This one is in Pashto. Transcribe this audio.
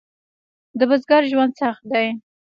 د بزګر ژوند سخت دی؟